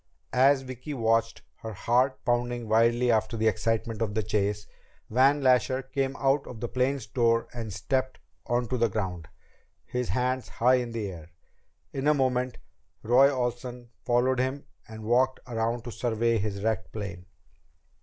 As Vicki watched, her heart pounding wildly after the excitement of the chase, Van Lasher came out of the plane's door and stepped onto the ground, his hands high in the air. In a moment Roy Olsen followed him and walked around to survey his wrecked plane.